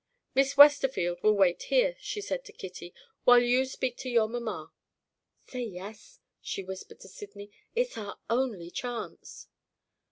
"Miss Westerfield will wait here," she said to Kitty, "while you speak to your mamma. Say Yes!" she whispered to Sydney; "it's our only chance."